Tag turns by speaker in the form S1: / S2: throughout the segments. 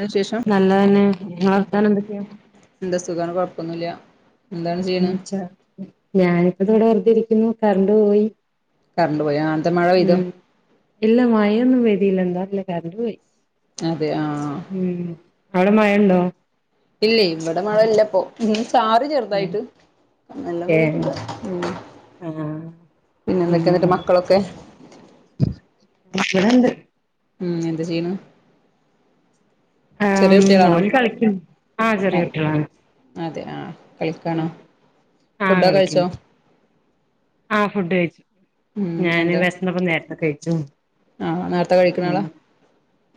S1: വിശേഷം
S2: നല്ലതന്നെ ഇങ്ങളെ വർത്താനം എന്തൊക്കെയാ
S1: എന്താ സുഖാണ് കൊഴപ്പൊന്നുല്ല്യ
S2: ഉം ഞാനിപ്പ ഇതൂടെ വെറുതെ ഇരിക്കുന്നു കരണ്ട് പോയി
S1: കറണ്ട് പോയി ആഹ് എന്തെ മഴ പെയ്തോ
S2: ഉം ഇല്ല മയൊന്നും പെയ്ദില്ല എന്താറില്ല കറണ്ട് പോയി.
S1: അതെ ആഹ്
S2: ഉം അവിടെ മഴ ഉണ്ടോ?
S1: ഇലയ് ഇവിടെ മഴല്ല പോ ഉം ചാറി
S2: ഏഹ്
S1: ചെറുതായിട്ട് നല്ലോം
S2: ഏഹ്
S1: ചെയ്തിട്ടില്ല.
S2: ആഹ്
S1: പിന്നെ എന്തൊക്കെയ എന്നിട്ട് മക്കളൊക്കെ?
S2: ഇവിടണ്ട്.
S1: ഉം എന്താ ചെയ്യ്ണെ?
S2: ആഹ് ഓല് കളിക്ക്ണ്ട്.
S1: അഹ് അതെ ആഹ് കളിക്കാണോ
S2: ആഹ് ആഹ്
S1: ഫുഡൊകെ കഴിച്ചോ?
S2: കളിക്കുന്നു ആഹ് ഫുഡ് കഴിച്ചു
S1: ഉം
S2: ഞാന്
S1: എന്താ
S2: വെശന്നപ്പ നേരത്തെ കഴിച്ചു.
S1: ആഹ് നേരത്തെ കഴിക്കണ
S2: ഉം
S1: ആളാ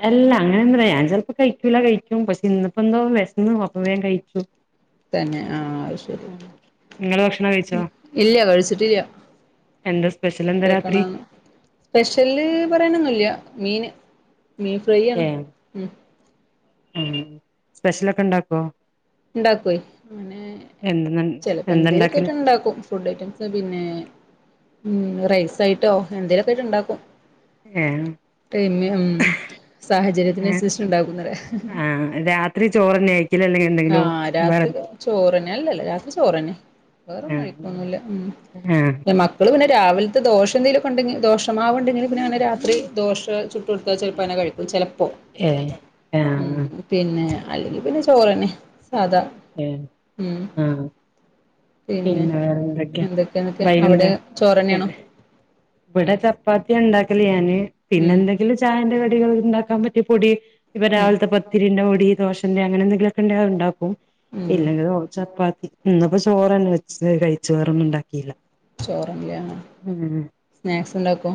S2: അല്ല അങ്ങനെ ഒന്നുല ഞാൻ ചെലപ്പോ കഴിക്കൂല കഴിക്കും പക്ഷെ ഇന്ന് പെന്തോ വെശന്നു അപ്പ വേഗം കഴിച്ചു.
S1: തന്നെ ആഹ് അയ്ശെരി.
S2: ഉം നിങ്ങള് ഭക്ഷണം കഴിച്ചോ?
S1: ഇല്ല കഴിച്ചിട്ടില്ല
S2: എന്താ സ്പെഷ്യൽ എന്താ രാത്രി
S1: കഴിക്കണം. സ്പെഷ്യല് പറയാനൊന്നുല്ല മീന് മീ
S2: ഏഹ് ഉം സ്പെഷ്യലൊക്കെ ഉണ്ടാക്കോ?
S1: ഇണ്ടാകൊയ് അങ്ങനെ
S2: എന്ത
S1: ചിലപ്പോ
S2: എന്താണ്ടാക്കല്
S1: എന്തെലൊക്കായിട്ട് ഇണ്ടാക്കും. ഫുഡ് ഐറ്റംസ് പിന്നെ ഉം റൈസായിട്ടോ എന്തേ ലൊക്കെ ആയിട്ട് ഉണ്ടാക്കും.
S2: ഏ
S1: പിന്നെ ഉം സാഹചര്യത്തിനനുസരിച്ച്ണ്ടാക്കുന്ന റയാ.
S2: ആഹ് രാത്രി ചോറ് തന്നെ ആയിരിക്കല അല്ലെങ്കിൽ എന്തെങ്കിലും
S1: ആഹ്
S2: വേറെ.
S1: രാത്രി ചോറന്നെ അല്ലല്ല രാത്രി ചോറന്നെ
S2: ആ
S1: വേറൊന്നും കഴിക്കൊന്നുല്ല
S2: ആ
S1: പിന്നെ മകൾ ഇപ്പോൾ പിന്നെ രാവിലത്തെ ദോഷ എന്തേങ്കിലൊ കെണ്ടെങ്കി ദോഷമാവ്ണ്ടെങ്കി പിന്നെ അങ്ങനെ രാത്രി ദോശ ചു ടുത്താൽ ചിലപ്പോ അങ്ങനെ കഴിക്കും ചിലപ്പോൾ
S2: ഏ ആ
S1: ഉ പിന്നെ അല്ലെങ്കിൽ പിന്നെ ചോറ് തന്നെ. സാധ
S2: ഏഹ് ആഹ് പിന്നെ വേറെ എന്തൊക്കെയ?
S1: എന്തൊക്കെന്നൊക്കെ അവിടെ
S2: വൈകുന്നേരം.
S1: ചോറന്നെയാണോ
S2: ഇവിടെ ചപ്പാത്തി ഉണ്ടാക്കല് ഞാന് പിന്നെ
S1: ഉം
S2: എന്തെങ്കിലും ചായന്റെ കടികൾ ഉണ്ടാക്കാൻ പറ്റിയ പൊടി. ഇപ്പ
S1: ഉം
S2: രാവിലത്തെ പത്തിരിന്റെ പൊടി ദോശന്റെ അങ്ങനെ എന്തെങ്കിലുമൊക്കെ ഉണ്ടേ അത് ഉണ്ടാക്കും.
S1: ഉം
S2: ഇല്ലെങ്കില് ഓ ചപ്പാത്തി ഇന്നിപ്പോ ചോറ്ന്നെ വെച്ച് കഴിച്ചു വേറൊന്നും ഉണ്ടാക്കിയില്ല.
S1: ചോറല്ല
S2: ഉം
S1: സ്നാക്സ് ഇണ്ടാക്കോ?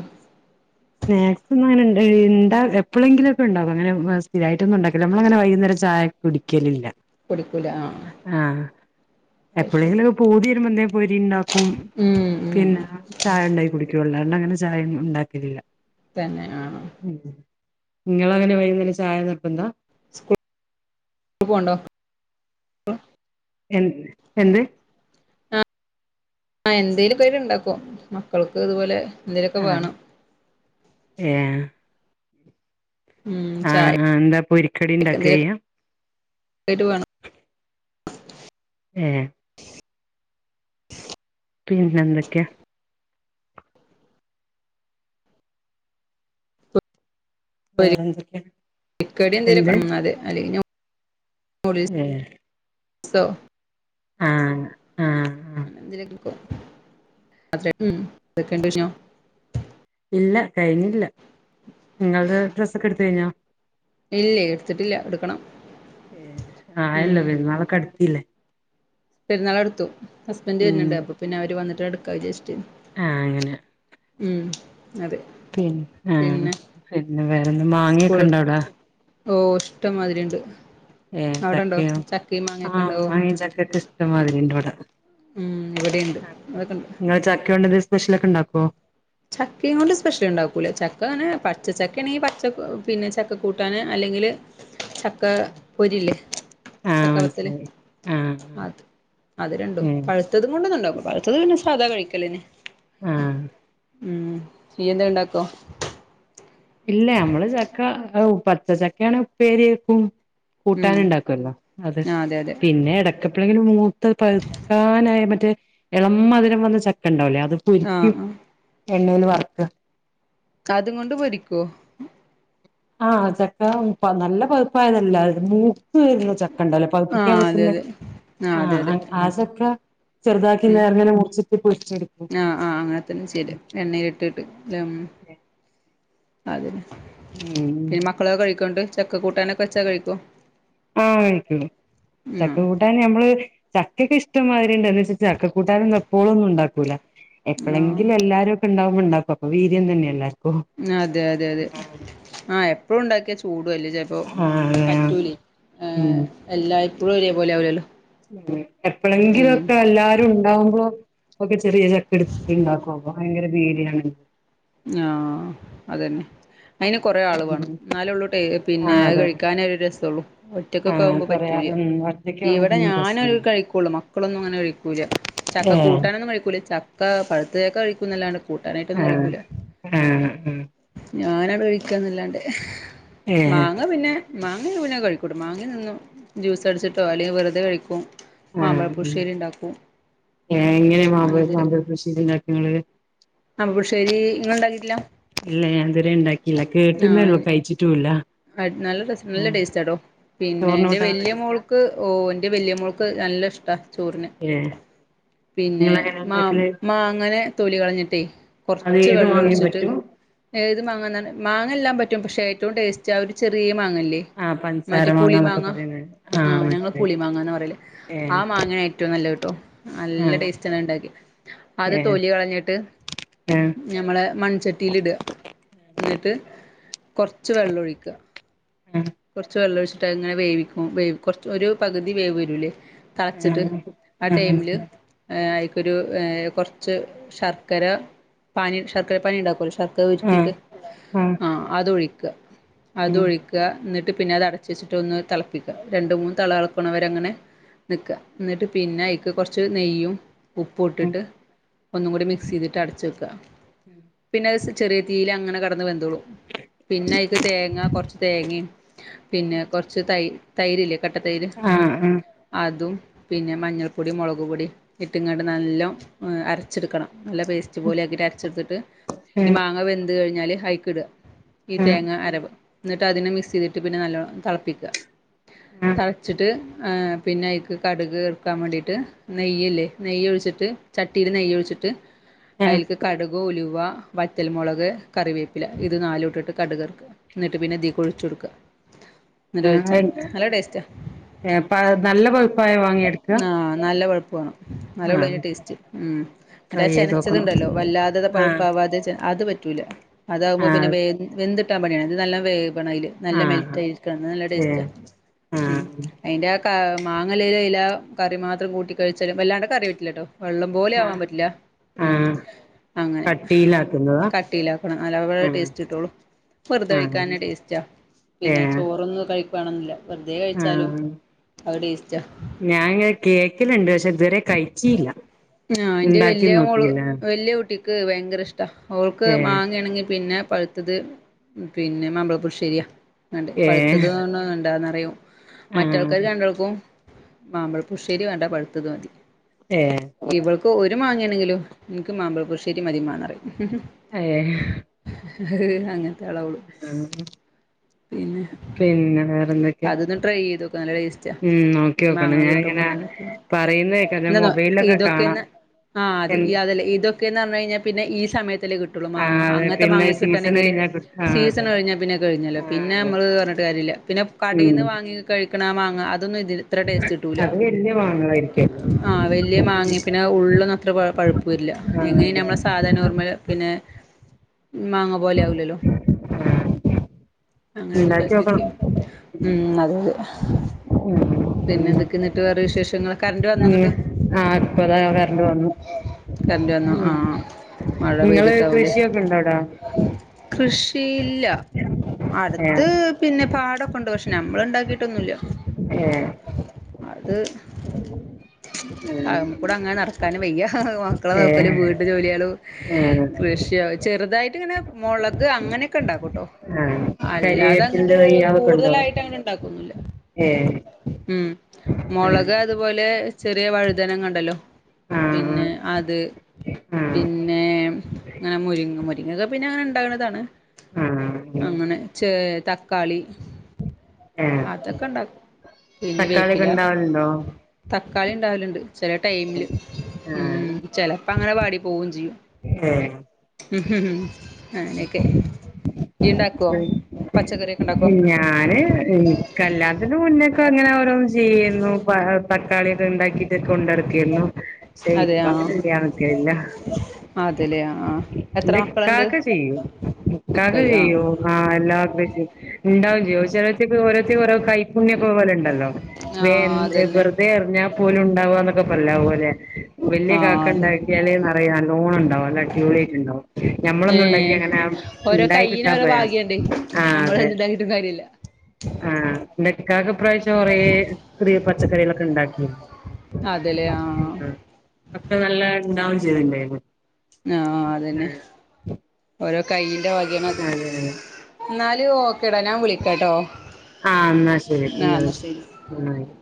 S2: സ്നാക്സ് ഒന്നും അങ്ങനെ ഉണ്ട്ണ്ടാ എപ്പോഴെങ്കിലുംക്കെണ്ടാകും അങ്ങനെ സ്ഥിര യിട്ടൊന്നു ഉണ്ടാകില്ല നമ്മളങ്ങനെ വൈകുന്നേം ചായ. കുടിക്കലില്ല.
S1: കുടിക്കൂല ആഹ്
S2: ആഹ് എപ്പോഴെങ്കിലൊക്കെ പുതി വരുമ്പോ എന്തേലും പൊരി ഉണ്ടാക്കും
S1: ഉം ഉം
S2: പിന്നെ. ചായണ്ടാക്കി കുടിക്കുവൊള്ളു, അല്ലാണ്ടങ്ങനെ ചായൊന്നും ഇണ്ടാക്കലില്ല.
S1: തന്നെ ആഹ്
S2: ഇങ്ങളെങ്ങനെ വൈകുന്നേരം ചായ നിർബന്ധാ?
S1: സ്കൂളിൽ [unintelligible]
S2: എൻ എന്ത്?
S1: ആഹ് എന്തേലൊക്കായിട്ട് ഇണ്ടാക്കും. മക്കൾക്ക് ഇതുപോലെ എന്തേലൊക്കെ
S2: ആഹ്
S1: വേണം.
S2: ഏഹ്
S1: ഉം
S2: ആഹ്
S1: ചായ
S2: ആഹ് എന്താ പൊരിക്കടി ഉണ്ടാക്ക ചെയ്യാ
S1: [unintelligible] വേണം.
S2: ഏഹ് പിന്നെന്തൊക്ക്യാ?
S1: ഒര്
S2: വേറെന്തൊക്കെയാ എന്ത്
S1: [unintelligible]
S2: ഏഹ്
S1: സൊ
S2: ആഹ് ആഹ് ആഹ്
S1: [unintelligible]
S2: ഇല്ല, കഴിഞ്ഞില്ല. ഇങ്ങൾത് ഡ്രസ്സൊക്കെ ഇട്ത്ത് കയ്ഞ്ഞോ?
S1: ഇല്ലേ എടുത്തിട്ടില്ല എടുക്കണം
S2: ഏഹ്,
S1: ഉം
S2: ആയല്ലൊ പെര്ന്നാളൊക്കെ അട്ത്തീല്ലേ
S1: പെര്ന്നാളടുത്തു. ഹസ്ബൻഡ്
S2: ഉം
S1: വര്ന്ണ്ട്, അപ്പൊ പിന്നെ അവര് വന്നാട്ട് എടുക്കാ വിചാരിച്ചിട്ടേനി
S2: ആഹ് അങ്ങനെ
S1: ഉം അതെ.
S2: പിൻ ഏഹ്.
S1: പിന്നെ
S2: പിന്നെ വേറെന്ത മാങ്ങ്യൊക്കെ ഇണ്ടവ്ടെ?
S1: ഓഹ് ഇഷ്ടംമാതിരി ഇണ്ട്.
S2: ഏഹ് ചക്കയോ? ആഹ്
S1: ഉണ്ടാവോ
S2: മാങ്ങിം ചക്ക്യൊക്കെ ഇഷ്ടംമാതിരിണ്ട് വടെ
S1: ഉം ഇവിടെയുണ്ട് അതൊക്കെണ്ട്
S2: ഇങ്ങള് ചക്ക്യോണ്ടെന്തെങ്കിലും സ്പെഷ്യലൊക്കെ ഇണ്ടാക്കോ?
S1: ചക്കേം കൊണ്ട് സ്പെഷ്യല്ണ്ടാക്കൂല. ചക്കങ്ങനെ പച്ചച്ചക്കേണെങ്കി പച്ച പിന്നെ ചക്കക്കൂട്ടാന് അല്ലെങ്കില്, ചക്കാ പൊരില്ലേ,
S2: ആഹ്
S1: ചക്കവത്തല്
S2: മനസ്സിലായി ആഹ്
S1: അത് അത് രണ്ടും.
S2: ഏഹ്
S1: പഴുത്തത് കൊണ്ടൊന്നുണ്ടാക്കൂല, പഴുത്തത് പിന്നെ സാധാ കഴിക്കലെന്നെ
S2: ആഹ്
S1: ഉം നീയെന്തേം ഇണ്ടാക്കോ?
S2: ഇല്ല അമ്മള് ചക്ക ഔ പച്ച ചക്കേണെ ഉപ്പേരി വെക്കും.
S1: ഉം
S2: കൂട്ടാന്ണ്ടാക്കൊല്ലോ അത്.
S1: ആ അതെ അതെ
S2: പിന്നെ എടക്ക് എപ്പളെങ്കിലും മൂത്ത് പഴുക്കാനായ മറ്റേ എളം മധുരം വന്ന ചക്കണ്ടാവൂലേ അതും
S1: ആ
S2: പൊരിക്കും, എണ്ണയൊന്ന് വറു
S1: അതും കൊണ്ട് പൊരിക്കൊ?
S2: ആഹ് ചക്ക പ നല്ല പഴുപ്പായതല്ല, മൂത്ത് വര്ന്നത് ചക്കണ്ടല്ലൊ
S1: ആ
S2: പഴുപ്പിക്കാൻ
S1: അതെ
S2: വക്കുന്നെ,
S1: അതെ ആ അതെ അതെ
S2: ആഹ് ആ ചക്ക ചെർതാക്കി
S1: ഉം
S2: നേർങ്ങനെ മുറിച്ചിട്ട് പൊരിച്ചെടുക്കും.
S1: എണ്ണേലിട്ടിട്ട് [unintelligible]
S2: ഊം
S1: മക്കളൊക്കെ കഴിക്കൊന്ന്ട്ട്, ചക്കക്കൂട്ടാനൊക്കെ വെച്ചാ കഴിക്കോ?
S2: ആഹ് കഴിക്കും.
S1: ആ
S2: ചക്ക കൂട്ടാ [unintelligible] നമ്മള് ചക്കെക്കെ ഇഷ്ടംമാതിരിണ്ട് എന്ന് വെച്ച് ചക്ക കൂട്ടാനൊന്നും എപ്പോളൊന്നുണ്ടാക്കൂല.
S1: ആ
S2: എപ്പളെങ്കിലും എല്ലാരൊക്കെണ്ടാവുമ്പൊ ഇ ഇണ്ടാക്കും, അപ്പൊ വീര്യം തന്നെല്ലെ.
S1: അതെ അതെ അതെ. ആഹ് എപ്പളുണ്ടാക്ക്യാ ചൂടു അല്ലേ ചെൽ അപ്പോ
S2: അതെ
S1: പറ്റൂലെയ്,
S2: ഉം
S1: ഏഹ് എല്ലായ്പ്പോഴും ഒരേ പോലെ ആവൂലല്ലൊ
S2: ഉം. എപ്പോളെന്കിലും ഒക്കെ എല്ലാരും ഉണ്ടാവുമ്പോ ഒക്കെ ചെറിയ ചക്കടുപ്പി ഉണ്ടാക്കും. അപ്പൊ ഭയങ്കര പേടിയാണ്
S1: ആഹ്, അതന്നെ. അയിന് കുറെ ആൾ വേണം.
S2: ഉം
S1: എന്നാലേ ഉള്ളൂ ട്ടേ പിന്നെ അത് കഴിക്കാന് ഒരു രസള്ളു. ഒറ്റയ്ക്കൊക്ക
S2: ആഹ്
S1: ആകുമ്പോ
S2: പറയാ
S1: പറ്റൂല.
S2: ഉം ഒറ്റക്ക്
S1: ഇവിടെ
S2: ആവുമ്പോ
S1: ഞാന
S2: രസാണ്
S1: കഴിക്കുള്ളൂ. മക്കളൊന്നും അങ്ങനെ കഴിക്കൂല. ചക്ക
S2: ഏഹ്
S1: കൂട്ടാനൊന്നും കഴിക്കൂല. ച ക്ക പഴുത്ത ചക്ക കഴിക്കുന്നതല്ലാണ്ട്
S2: ആഹ് ആഹ് ഉ
S1: ഞാൻ ആണ്ടു കഴിക്കന്നല്ലാണ്ട്.
S2: ഏഹ്
S1: മാങ്ങ പിന്നെ മാങ്ങ പിന്നെ കഴിക്കൂട്ട. മാങ്ങ തിന്നും ജ്യൂസ് അടിച്ചിട്ടോ അല്ലെങ്കിൽ വെറുതെ കഴിക്കും.
S2: ആഹ്,
S1: മാമ്പഴപ്പുളിശ്ശേരി ഉണ്ടാക്കും
S2: ഏ എങ്ങനെയ മാമ്പ മാമ്പഴ പുളിശേരി ഉണ്ടാക്കെ ങ്ങള്.
S1: മാമ്പഴ പുളിശേരി ങ്ങള് ഉണ്ടാക്കിട്ടില്ല
S2: ഇല്ല ഞാൻ ഇതുവരെ ഉണ്ടാക്കില്ല. കേട്ടുന്നള്ളൂ,
S1: ആഹ്
S2: കഴിച്ചിട്ടുംല്ല.
S1: നല്ല രസം, നല്ല ടേസ്റ്റ്ട്ടോ. പിന്നെ
S2: ചോറിന്
S1: എന്റെ
S2: കൂട്ടാൻ നല്ല
S1: വലിയ
S2: ടേസ്റ്റാ
S1: മോൾക്ക് ഓ എന്റെ വലയമ്മോൾക്ക് നല്ല ഇഷ്ടാ ചോറിന്.
S2: ഏഹ്
S1: പിന്നെ
S2: നിങ്ങളെങ്ങനെ
S1: മാം
S2: ഉണ്ടാക്കല്
S1: മാങ്ങനെ തോലി കളഞ്ഞിട്ടേ
S2: അത്
S1: കൊറച്ച്
S2: ഏത്
S1: വെള്ളം
S2: മാങ്ങയും
S1: ഒഴിച്ചിട്ട്
S2: പറ്റും
S1: ഏത് മാങ്ങ എന്നാണ് മാങ്ങെല്ലാം പറ്റും. പക്ഷേ ഏറ്റവും ടേസ്റ്റ് ആ ഒരു ചെറിയ മാങ്ങല്ലേ
S2: ആഹ് പഞ്ചസാര
S1: മറ്റേ പുളി
S2: മാങ്ങന്നൊക്കെ
S1: മാങ്ങ.
S2: പറയുന്നേ
S1: ആഹ് ഞങ്ങള്
S2: മനസ്സിലായി
S1: പുളി മാങ്ങന്ന പറയൽ. ആ
S2: ഏഹ്
S1: മാങ്ങാനെയിട്ട് ഏറ്റവും നല്ലത്ട്ടോ. നല്ല
S2: ആഹ്
S1: ടേസ്റ്റ് ആണ് അത് ഉണ്ടാക്കി. ആദ്യം
S2: ഏഹ്
S1: തൊലി കളഞ്ഞിട്ട്
S2: ഏഹ്
S1: ഞമ്മളെ മൺചട്ടില്ടാ ന്നിട്ട് കൊറ്ച്ച് വെള്ളും കൊറ്ച്ച് വെള്ളോയ്ച് ട്ട് അത് ങ്ങനെ വേവിക്കും, വെ കൊറ്ച്ച് ഒരു പകുതി വേവ് വരൂലേ തള്ച്ചിട്ട്
S2: ആഹ്
S1: ആ
S2: ആഹ്
S1: ടൈമില്
S2: ആഹ്
S1: ഏഹ് അയ്ക്കൊരു ഏ കൊറ്ച്ച് ശർക്കര പാനി ശർക്കര പാനി ണ്ടാക്കോല്ലോ ശറ് ക്ക
S2: ആഹ്
S1: ഒര്ക്കിയിട്ട് ആഹ് അതൊഴിക് അത്
S2: ഉം
S1: ഒഴിക്കാ ന്നെട്ട് പിന്നെ അത് അടചെച്ചിട്ട് ഒന്ന് തളപ്പിക്കാ രണ്ട് മൂന്ന് തള തള്ക്ണവരെ അങ്ങനെ ന്ക്കാ, ന്ന്ട്ട് പിന്നെ അയ്ക്ക് കൊറ്ച്ച് നെയ്യും
S2: ഉം
S1: ഉപ്പുട്ടിട്ട് ഒന്നും കൂടി മിക്സ് ചെയ്തിട്ട് അടച്ച് വെക്കാ പിന്നെ അത് ചെറിയ തീയ്ലങ്ങനെ കെട്ന്ന് വെന്തോളും പിന്നെ അയ്ക്ക് തേങ്ങ തേങ്ങി,, പിന്നെ കൊറ്ച്ച് തൈ തൈരില്ലേ കട്ട തൈര്
S2: ആഹ് ആഹ്
S1: അതും പിന്നെ മഞ്ഞൾപ്പൊടി മൊളക് പൊടി ഇട്ട്കാണ്ട് നല്ലോം അര്ച്ച്ട്ക്കണം നല്ല പേസ് ച്ച് പോലെ ആക്കിയിട്ട് അര്ച്ച്ട്ത്തിട്ട് ഈ
S2: ഏഹ്
S1: മാങ്ങ വെന്ത് കഴിഞ്ഞാല് അയ്ക്കിടാ ഈ
S2: ആഹ്
S1: തേങ്ങ അരവ് ന്നിട്ട് അതിനെ മിക്സയ്തിട്ട് പിന്നെ നല്ലോണം തള്പ്പിക്കാ
S2: ആഹ്
S1: തള്ച്ചിട്ട് ഏഹ് പിന്നെ അയ്ക്ക് കട്ക് ഇറ്ക്കാൻ വേണ്ടിയിട്ട് നെയ്യ്ല്ലേ നെയ്യോയ്ഴിച്ചിട്ട് ചട്ടിയില് നെയ്യ് ഒഴിച്ചിട്ട്
S2: ഏഹ്
S1: അയ്ൽക്ക് കട്ക് ഉലുവ വറ്റൽമുളക് കറിവേപ്പില ഇത് നാലുട്ടിട്ട് കട്കർക്കാ ട്ട് പിന്നെ ഇതികൊയ്ച്ചോട്ക്കാ ന്നെട്ട് വെവിച്ചാ മതി, നല്ല ടേസ്റ്റാ
S2: എപാ നല്ല പൊഴ്പ്പായ മാങ്ങെട്ക്കാ
S1: ആഹ് നല്ല പൊഴ്പ്പ് വാണം ന്നാലോള്ളൂ അയ്ന്റെ ടേസ്റ്റ് ഉം മറ്റേ
S2: ട്രൈ
S1: ആ
S2: ചെയ്ത് നോക്കണം
S1: ചെൻച്ചത്ണ്ടല്ലോ വല്ലാതെ
S2: ആഹ്
S1: പഴുപ്പാവാതെ അത് പറ്റൂല അതാകുമ്പോ പിന്നെ
S2: ആഹ്
S1: വെ വെന്തിട്ടാൻ പണിയാ ഇത് നല്ലോം വേകണം അയ്ല് നല്ല
S2: ആഹ്
S1: മെൽറ്റായിരിക്കണം ന്നാ നല്ല ടെസ്റ്റാ
S2: ഏഹ്
S1: ഉം
S2: ആഹ്
S1: അയിന്റെ ആ കാ മാങ്ങല്ലേല് അയ്ലാ കറി മാത്രം കൂട്ടി കഴിച്ചാലും വല്ലാണ്ട് കറി പറ്റില്ല ട്ടോ വെള്ളം പോലെ ആവാൻ
S2: ആഹ്
S1: പറ്റില്ല മ്
S2: ആഹ്
S1: അങ്ങനെ
S2: കട്ടിയിലാക്കുന്നതാ
S1: കട്ടിയിലാക്കണം [unintelligible]
S2: ആഹ്
S1: ടേസ്റ്റ് കിട്ട്ള്ളൂ വെറുതേ
S2: ആഹ്
S1: ക്കാനെ ടേസ്റ്റാ പിന്നെ
S2: ഏഹ്
S1: ചോറൊന്നും കഴിക്കുവാണെന്നില്ല വെറ്തെ കഴ്ച്ചാലും ആ ടെസ്റ്റാ
S2: ഞാൻ ങ്ങനെ കേക്കല്ണ്ട് പക്ഷെ ഇത് വരെ കഴിച്ചില്ല ണ്ടാക്കിം നോക്കില്ല
S1: വെല്ല്യ കുട്ടിക്ക് ഭയങ്കര ഇഷ്ടാ ഓൾക്ക്
S2: ഏഹ്
S1: മാങ്ങയാണെങ്കിൽ പിന്നെ പ ഴ്ത്തത് പിന്നെ മാമ്പയപ്പുളുശ്ശേരിയാ
S2: ഏഹ്
S1: പഴുത്തത് [unintelligible]
S2: ആഹ്
S1: മറ്റാൾക്കാര് രണ്ടാൾക്കും മാമ്പഴപ്പുൾശ്ശേരി വേണ്ട പഴുത്തത് മതി
S2: ഏ
S1: ഇവൾക്ക് ഒര് മാങ്ങേണെങ്കിലും ഇൻക്ക് മാമ്പഴപുൾശ്ശേരി മതി മ്മാ ന്നറിം
S2: ഏ
S1: അങ്ങൻത്താളാ ഓള്
S2: ആഹ്
S1: പിന്നെ
S2: പിന്നെ വേറെന്തൊക്കെ
S1: അതൊന്ന് ട്രൈ ചെയ്തോക്ക്‌ നല്ല ടേസ്റ്റാ
S2: ഉം നോക്കിയോക്കണം
S1: മാങ്ങ
S2: ഞാനിങ്ങനെ
S1: കിട്ടുമ്പോന്ന്
S2: പറയുന്ന കേക്കാ
S1: ന്നെ ന്നോ
S2: മൊബൈലിലൊക്കെ കാണാം
S1: ഇതൊക്കെന്ന് ആഹ്
S2: എൻ
S1: അതേ ഇതൊക്കെന്ന് പറഞ്ഞയ്ഞ്ഞാ പിന്നെ ഈ സമയത്തല്ലേ കിട്ടു ട്ടുള്ളു
S2: ആഹ്
S1: മാങ്ങ
S2: അതെ
S1: അങ്ങൻത്തെ
S2: പിന്നെ
S1: മാങ്ങ
S2: സീസൺ
S1: കിട്ടണെങ്കിൽ
S2: കഴിഞ്ഞാ കിട്ടും ആഹ്
S1: സീസൺ
S2: അതെ
S1: കഴിഞ്ഞാ പിന്നെ കഴിഞ്ഞല്ലോ
S2: ആഹ്
S1: പിന്നെ
S2: അതെ
S1: മ്മള് പറഞ്ഞിട്ട് കാര്യല്ല പിന്നെ
S2: ഉം
S1: കടയിന്ന് വാങ്ങി കഴിക്ക്‌ണ ആ മാങ്ങ അതൊന്നും ഇതി ഇത്ര ടേസ്റ്റ് കിട്ടൂല്ല
S2: വെല്ല്യ മാങ്ങകളായിരിക്കുഅല്ലോ
S1: ആഹ് വെല്ല്യ മാങ്ങിമ് പിന്നെ ഉള്ളൊന്നും അത്ര പഴ് പഴ്പ്പില്ല
S2: ആഹ്
S1: എങ്ങനിം
S2: അതെ
S1: നമ്മളെ സാധാ നോർമല് പിന്നെ മാങ്ങ പോലെ ആവുലല്ലോ അങ്ങനെ
S2: ഇണ്ടാക്കി
S1: ണ്ടാക്കി നോക്കി
S2: നോക്കണം
S1: അതെ അതെ
S2: [unintelligible]
S1: പിന്നെ എന്തൊക്കെ എന്നിട്ട് വേറെ വിശേഷങ്ങൾ കറണ്ട് വന്നോ
S2: പിന്നെ
S1: എന്നിട്ട്
S2: [unintelligible] ആ പ്പതാ കറണ്ട് വന്നു
S1: കറണ്ട് വന്നു ആഹ്
S2: മ് ങ്ങള് കൃഷിയൊക്കൊ ണ്ടോ അവ്ടെ
S1: കൃഷി ഇല്ല
S2: ഏഹ്
S1: അട്ത്ത് പിന്നെ പാടൊക്കൊണ്ട് പക്ഷെ ഞമ്മളിണ്ടാക്കീട്ടൊന്നുല്ല
S2: ഏ
S1: അത് അഹ്
S2: ആഹ്
S1: മമ കൂടെ അങ്ങനെ നടക്കാനും വയ്യ മക്കളെ
S2: ഏ
S1: നോക്കലും വീട്ട് വീട്ട് ജോലിയാലും
S2: ആ
S1: കൃഷിയൊ ചെറുതായിട്ട്ങ്ങനെ മൊളക് അങ്ങനെയൊക്കെ ണ്ടാക്കു ട്ടോ
S2: ആ
S1: അല്ലാത്
S2: കരിവേപ്പിൻ്റെ
S1: അങ്ങട്ട്
S2: തൈ അതൊക്കെ ഉണ്ടോ
S1: കൂടുതലായിട്ട് അങ്ങട് ണ്ടാക്കൊന്നുല്ല
S2: ഏ
S1: ഉം മൊളക് അത് പോലെ ചെറിയ വഴുതനങ്ങ ണ്ടല്ലോ
S2: ആ ആ
S1: പിന്നെ അത്
S2: ആ
S1: പിന്നെ ഇങ്ങനെ മുരിങ്ങ മ തൊക്കെ പിന്നെ അങ്ങനെ ണ്ടാക്ന്നതാണ്
S2: ആ
S1: അങ്ങനെ ചെ തക്കാളി അതൊക്കെ ണ്ടാ
S2: തക്കാളിക്കെ ണ്ടാവൽണ്ടോ
S1: തക്കാളി ണ്ടാവല്ണ്ട് ചെല ടൈമില്
S2: ആ
S1: ഉം ചെലപ്പോ അങ്ങനെ വാടി പോവും ചെയ്യും
S2: ഏ
S1: അങ്ങനെയൊക്കെ യ്യ് ണ്ടാക്കോ പച്ചക്കറിയൊക്കെ ണ്ടാക്കോ
S2: ഞാന് കല്ലാണത്തിന് മുന്നൊക്കെ ങ്ങനെ ഓരോന്ന് ചെയ്യേര്ന്നു പ പ തക്കാളിയൊക്കെ ണ്ടാക്കിട്ട് കൊണ്ട് നടക്കേര്ന്നു പക്ഷെ ഇപ്പൊ അങ്ങനെ [unintelligible]
S1: അതേല്ലെ ആഹ് എത്ര മക്കളിണ്ട്
S2: ചെയ്യു ഇക്കാക്ക് ചെയ്യു ആഹ് എല്ലാ [unintelligible] ഇണ്ടാവും ചെയ്യും ചെലോർക്കൊക്കെ ഓരോ കൈപ്പുണ്യം ഒക്കപോലുണ്ടല്ലോ വെ
S1: ആഹ് അതന്നെ
S2: വെറുതെ എറിഞ്ഞ പോലുണ്ടാവാന്നൊക്കെ പറയില്ലെ അത്പോലെ വല്യ
S1: ആഹ്
S2: കാക്ക
S1: അത്
S2: ഉണ്ടാക്കിയാല് നല്ലോണം ഇണ്ടാവും നല്ല അടിപൊളിയാട്ട് ഇണ്ടാവും ഞമ്മളൊന്നു ഉണ്ടാക്കി
S1: ഏഹ്
S2: അങ്ങനെ
S1: ഓരോ
S2: ഇണ്ടായി
S1: കൈയിന്
S2: കിട്ടാൻ
S1: ഓരോ
S2: പ്രയാസ
S1: ഭാഗ്യണ്ട്
S2: ആഹ്
S1: നമ്മള്
S2: അതെ
S1: എന്തുണ്ടാക്കിട്ടും കാര്യല്ല
S2: ആഹ് ന്റെക്കാക്ക ഇപ്രാവിശൊ കൊറേ ചെറിയ പച്ചക്കറിളൊക്കെ ഇണ്ടാക്കി
S1: അതെല്ലെ ആഹ്
S2: ഒക്കെ നല്ല ഇണ്ടാവും ചെയ്തിണ്ടാരുന്നു
S1: ആഹ് അതന്നെ ഓരോ കൈയിന്റെ വകേനത്
S2: അതെ അതെ
S1: എന്നാല് ഓക്കെടാ ഞാൻ വിളിക്കാട്ടോ
S2: ആഹ് എന്നാശരി
S1: ആഹ്
S2: പിന്നെവി
S1: എന്നാ ശരി
S2: പിന്നെവിളിക്ക